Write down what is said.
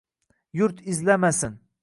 юрт изламасин!